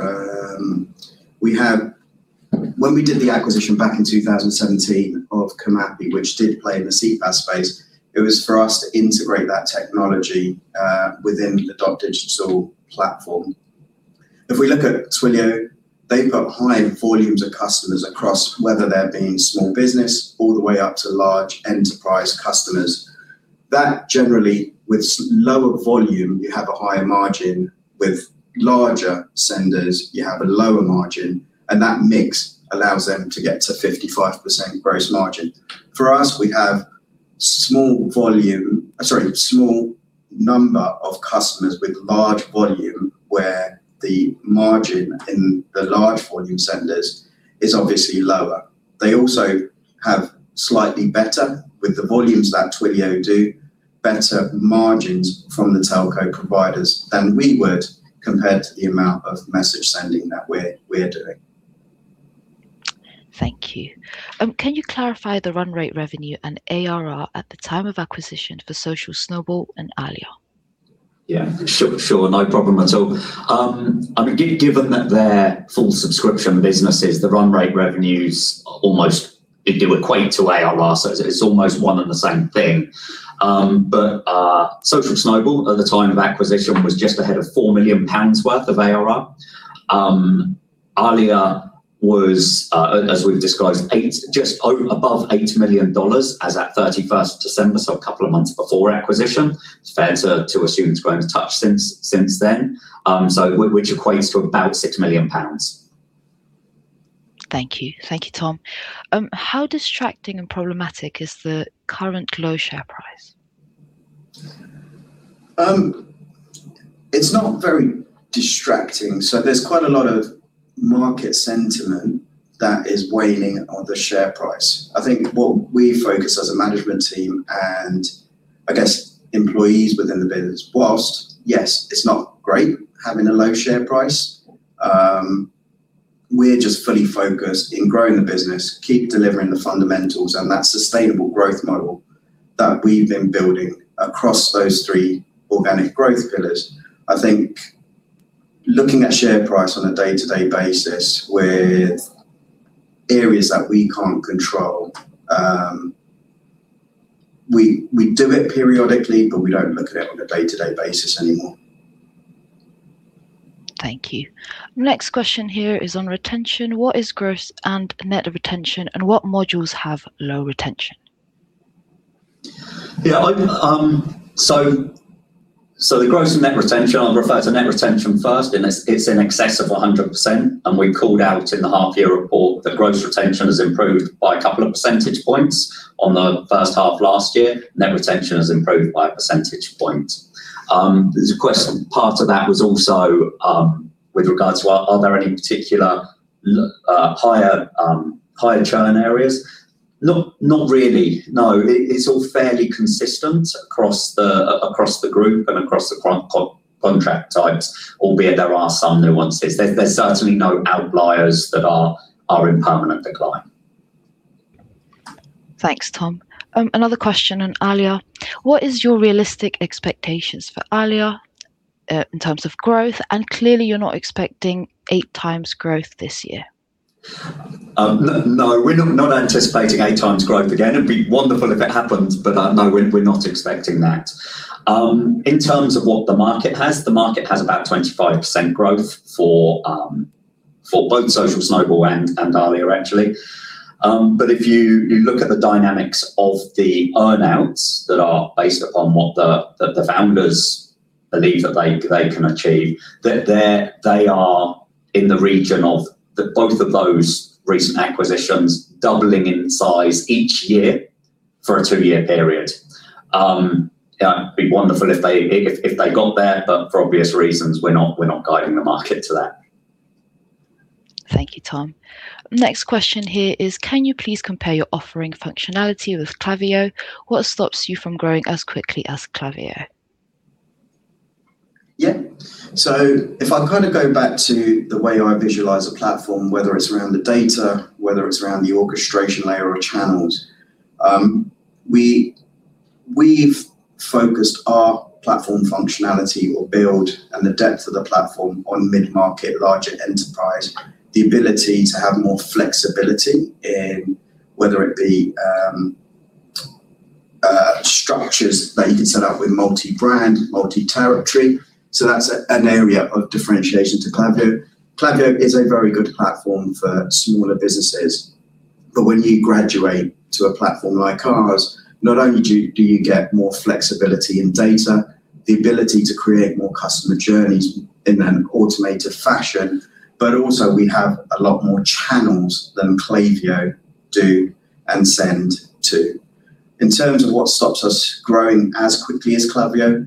When we did the acquisition back in 2017 of Comapi, which did play in the CPaaS space, it was for us to integrate that technology within the Dotdigital platform. If we look at Twilio, they've got high volumes of customers across whether they're being small business all the way up to large enterprise customers. That generally with lower volume, you have a higher margin. With larger senders, you have a lower margin, and that mix allows them to get to 55% gross margin. For us, we have small number of customers with large volume, where the margin in the large volume senders is obviously lower. They also have slightly better with the volumes that Twilio do, better margins from the telco providers than we would compared to the amount of message sending that we're doing. Thank you. Can you clarify the run rate revenue and ARR at the time of acquisition for Social Snowball and Alia? Yeah, sure. No problem at all. I mean, given that they're full subscription businesses, the run rate revenue's almost. They do equate to ARR, so it's almost one and the same thing. But Social Snowball at the time of acquisition was just ahead of 4 million pounds worth of ARR. Alia was, as we've discussed, just over $8 million as at December 31st, so a couple of months before acquisition. It's fair to assume it's grown a touch since then, so which equates to about 6 million pounds. Thank you. Thank you, Tom. How distracting and problematic is the current low share price? It's not very distracting. There's quite a lot of market sentiment that is weighing on the share price. I think what we focus as a management team, and I guess employees within the business, while, yes, it's not great having a low share price, we're just fully focused in growing the business, keep delivering the fundamentals, and that sustainable growth model that we've been building across those three organic growth pillars. I think looking at share price on a day-to-day basis with areas that we can't control, we do it periodically, but we don't look at it on a day-to-day basis anymore. Thank you. Next question here is on retention. What is gross and net of retention, and what modules have low retention? The gross and net retention, I'll refer to net retention first, and it's in excess of 100%, and we called out in the half-year report that gross retention has improved by a couple of percentage points on the first half last year. Net retention has improved by a percentage point. There's a question, part of that was also with regards to, are there any particular higher churn areas? Not really, no. It's all fairly consistent across the Group and across the contract types, albeit there are some low ones. There's certainly no outliers that are in permanent decline. Thanks, Tom. Another question on Alia. What is your realistic expectations for Alia, in terms of growth? Clearly you're not expecting eight times growth this year. No, we're not anticipating eight times growth. Again, it'd be wonderful if it happens, but no, we're not expecting that. In terms of what the market has, the market has about 25% growth for both Social Snowball and Alia actually. If you look at the dynamics of the earn-outs that are based upon what the founders believe that they can achieve, they're in the region of both of those recent acquisitions doubling in size each year for a two-year period. It'd be wonderful if they got there, but for obvious reasons, we're not guiding the market to that. Thank you, Tom. Next question here is can you please compare your offering functionality with Klaviyo? What stops you from growing as quickly as Klaviyo? If I kind of go back to the way I visualize a platform, whether it's around the data, whether it's around the orchestration layer or channels, we've focused our platform functionality or build and the depth of the platform on mid-market, larger enterprise, the ability to have more flexibility in whether it be structures that you can set up with multi-brand, multi-territory. That's an area of differentiation to Klaviyo. Klaviyo is a very good platform for smaller businesses, but when you graduate to a platform like ours, not only do you get more flexibility in data, the ability to create more customer journeys in an automated fashion, but also we have a lot more channels than Klaviyo does and send to. In terms of what stops us growing as quickly as Klaviyo,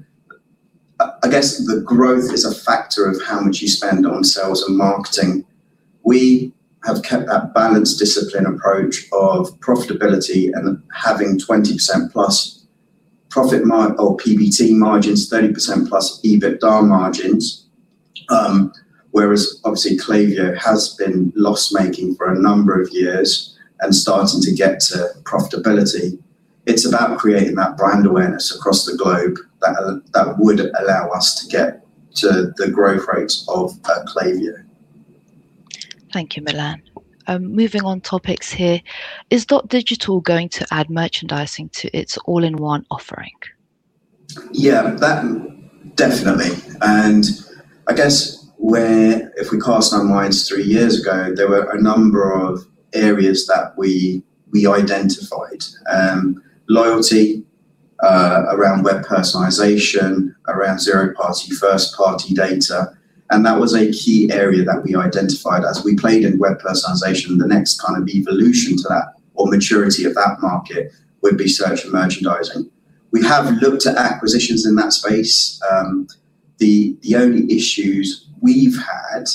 I guess the growth is a factor of how much you spend on sales and marketing. We have kept that balanced discipline approach of profitability and having 20%+ profit or PBT margins, 30%+ EBITDA margins, whereas obviously Klaviyo has been loss-making for a number of years and starting to get to profitability. It's about creating that brand awareness across the globe that that would allow us to get to the growth rates of Klaviyo. Thank you, Milan. Moving on topics here. Is Dotdigital going to add merchandising to its all-in-one offering? Yeah, that definitely. I guess if we cast our minds back three years ago, there were a number of areas that we identified, loyalty around web personalization, around zero-party, first-party data, and that was a key area that we identified. As we played in web personalization, the next kind of evolution to that or maturity of that market would be search and merchandising. We have looked at acquisitions in that space. The only issues we've had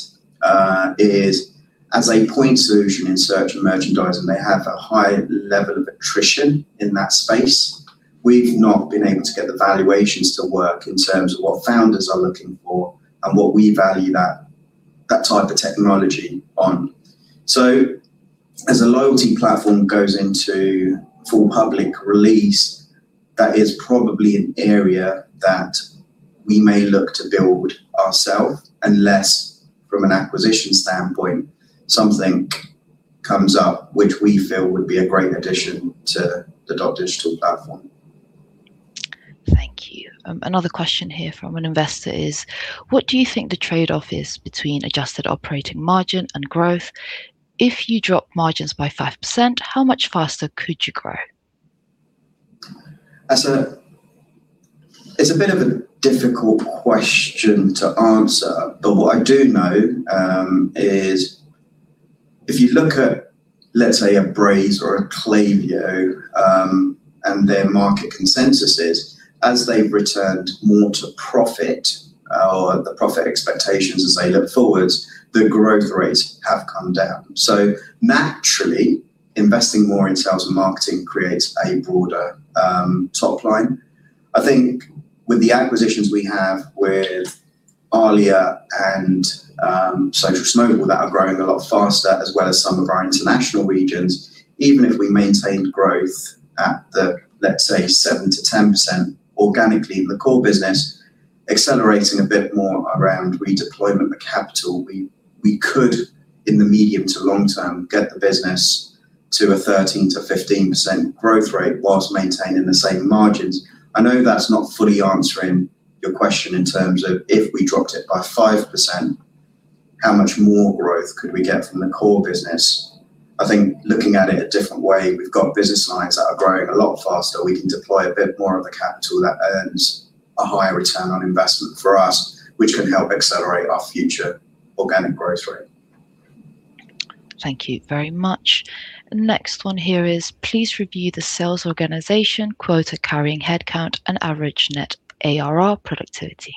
is as a point solution in search and merchandising, they have a high level of attrition in that space. We've not been able to get the valuations to work in terms of what founders are looking for and what we value that type of technology on. As a loyalty platform goes into full public release, that is probably an area that we may look to build ourself unless from an acquisition standpoint, something comes up which we feel would be a great addition to the Dotdigital platform. Another question here from an investor is: what do you think the trade-off is between adjusted operating margin and growth? If you drop margins by 5%, how much faster could you grow? It's a bit of a difficult question to answer, but what I do know is if you look at, let's say, a Braze or a Klaviyo, and their market consensus is as they've returned more to profit or the profit expectations as they look forwards, the growth rates have come down. Naturally, investing more in sales and marketing creates a broader top line. I think with the acquisitions we have with Alia and Social Snowball that are growing a lot faster as well as some of our international regions, even if we maintained growth at the, let's say, 7%-10% organically in the core business, accelerating a bit more around redeployment of capital, we could, in the medium to long term, get the business to a 13%-15% growth rate while maintaining the same margins. I know that's not fully answering your question in terms of if we dropped it by 5%, how much more growth could we get from the core business. I think looking at it a different way, we've got business lines that are growing a lot faster. We can deploy a bit more of the capital that earns a higher return on investment for us, which can help accelerate our future organic growth rate. Thank you very much. The next one here is please review the sales organization quota carrying headcount and average net ARR productivity.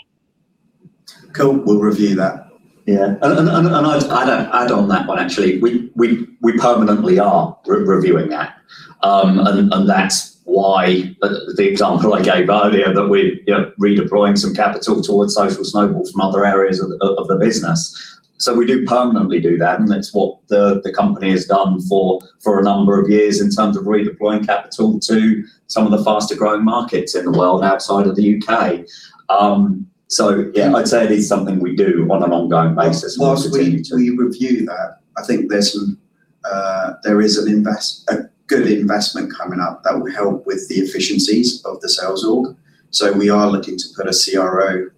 Cool, we'll review that. Yeah, I'd add on that one actually. We permanently are re-reviewing that. That's why the example I gave earlier that we're, you know, redeploying some capital towards Social Snowball from other areas of the business. We do permanently do that, and that's what the company has done for a number of years in terms of redeploying capital to some of the faster-growing markets in the world outside of the UK. Yeah, I'd say it is something we do on an ongoing basis. While we review that, I think there is a good investment coming up that will help with the efficiencies of the sales org. We are looking to put a CRO,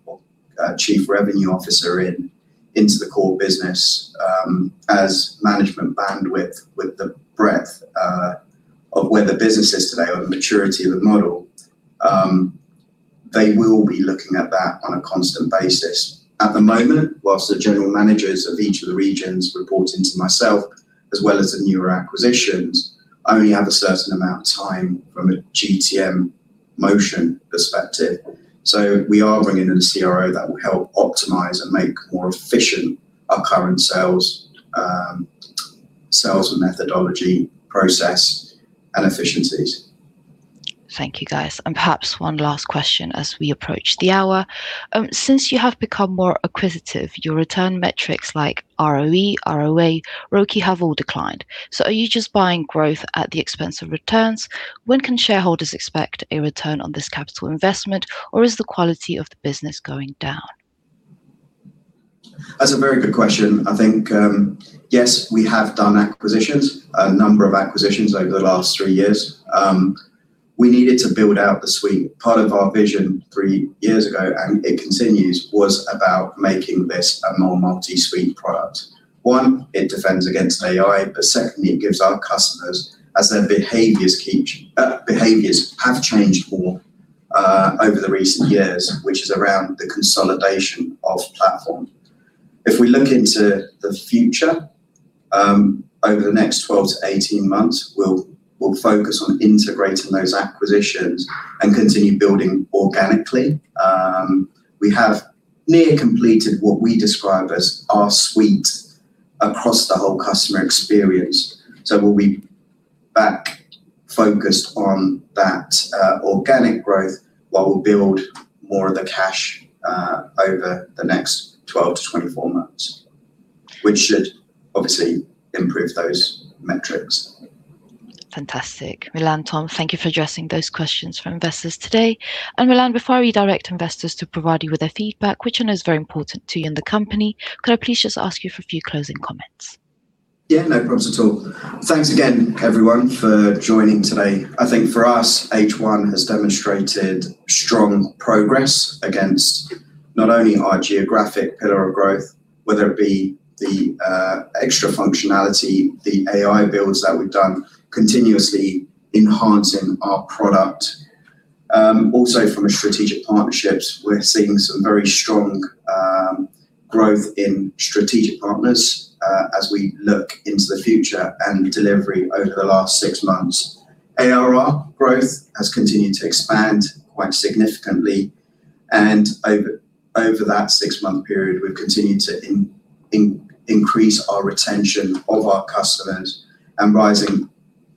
a Chief Revenue Officer into the core business, as management bandwidth with the breadth of where the business is today or the maturity of the model. They will be looking at that on a constant basis. At the moment, while the general managers of each of the regions reporting to myself as well as the newer acquisitions only have a certain amount of time from a GTM motion perspective. We are bringing in a CRO that will help optimize and make more efficient our current sales methodology process and efficiencies. Thank you, guys. Perhaps one last question as we approach the hour. Since you have become more acquisitive, your return metrics like ROE, ROA, ROCE have all declined. Are you just buying growth at the expense of returns? When can shareholders expect a return on this capital investment, or is the quality of the business going down? That's a very good question. I think, yes, we have done acquisitions, a number of acquisitions over the last three years. We needed to build out the suite. Part of our vision three years ago, and it continues, was about making this a more multi-suite product. One, it defends against AI, but secondly, it gives our customers as their behaviors have changed more over the recent years, which is around the consolidation of platform. If we look into the future, over the next 12 months to 18 months, we'll focus on integrating those acquisitions and continue building organically. We have near completed what we describe as our suite across the whole customer experience. We'll be back focused on that, organic growth while we build more of the cash, over the next 12 months to 24 months, which should obviously improve those metrics. Fantastic. Milan, Tom, thank you for addressing those questions from investors today. Milan, before I redirect investors to provide you with their feedback, which I know is very important to you and the company, could I please just ask you for a few closing comments? Yeah, no problems at all. Thanks again everyone for joining today. I think for us, H1 has demonstrated strong progress against not only our geographic pillar of growth, whether it be the extra functionality, the AI builds that we've done, continuously enhancing our product. Also from a strategic partnerships, we're seeing some very strong growth in strategic partners as we look into the future and delivery over the last six months. ARR growth has continued to expand quite significantly, and over that six-month period, we've continued to increase our retention of our customers and rising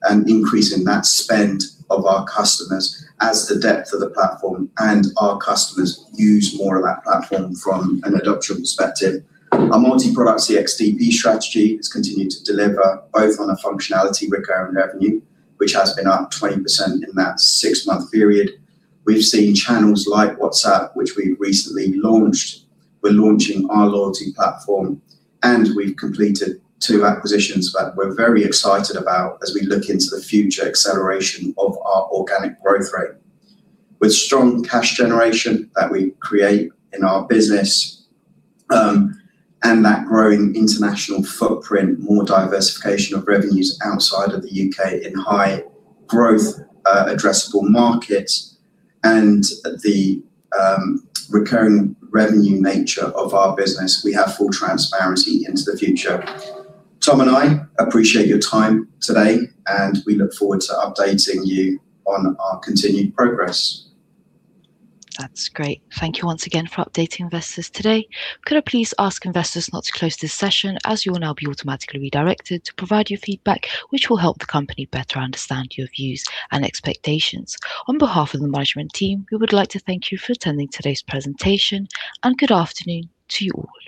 and increasing that spend of our customers as the depth of the platform and our customers use more of that platform from an adoption perspective. Our multi-product CXDP strategy has continued to deliver both on a functionality recurring revenue, which has been up 20% in that six-month period. We've seen channels like WhatsApp, which we recently launched. We're launching our loyalty platform, and we've completed two acquisitions that we're very excited about as we look into the future acceleration of our organic growth rate. With strong cash generation that we create in our business, and that growing international footprint, more diversification of revenues outside of the U.K. in high growth addressable markets and the recurring revenue nature of our business, we have full transparency into the future. Tom and I appreciate your time today, and we look forward to updating you on our continued progress. That's great. Thank you once again for updating investors today. Could I please ask investors not to close this session, as you will now be automatically redirected to provide your feedback which will help the company better understand your views and expectations. On behalf of the management team, we would like to thank you for attending today's presentation, and good afternoon to you all.